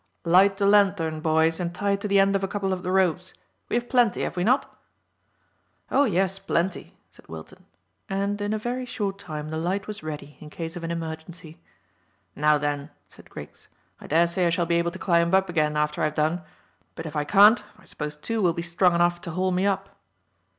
"Light the lanthorn, boys, and tie it to the end of a couple of the ropes. We have plenty, have we not?" "Oh yes, plenty," said Wilton, and in a very short time the light was ready in case of an emergency. "Now then," said Griggs; "I dare say I shall be able to climb up again after I have done, but if I can't I suppose two will be strong enough to haul me up."